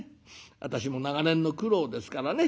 私も長年の苦労ですからね。